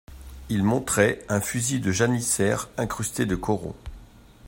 Il montrait un fusil de janissaire incrusté de coraux.